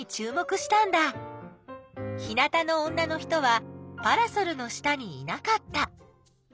日なたの女の人はパラソルの下にいなかった。